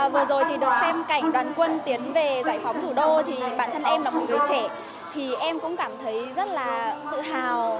vừa rồi thì được xem cảnh đoàn quân tiến về giải phóng thủ đô thì bản thân em là một người trẻ thì em cũng cảm thấy rất là tự hào